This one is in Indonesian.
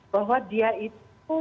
bahwa dia itu